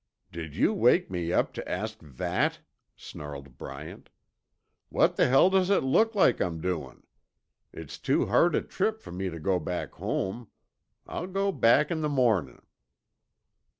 "Did you wake me up tuh ask that?" snarled Bryant. "What the hell does it look like I'm doin'? It's too hard a trip fer me tuh go back home. I'll go back in the mornin'."